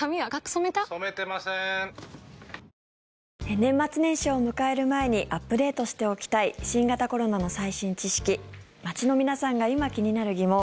年末年始を迎える前にアップデートしておきたい新型コロナの最新知識街の皆さんが今、気になる疑問